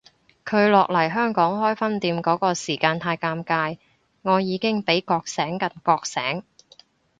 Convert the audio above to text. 佢落嚟香港開分店嗰個時間太尷尬，我已經比覺醒更覺醒